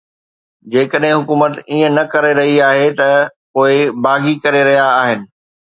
جيڪڏهن حڪومت ائين نه ڪري رهي آهي ته پوءِ باغي ڪري رهيا آهن